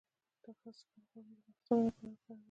د زغر غوړي د مفصلونو لپاره وکاروئ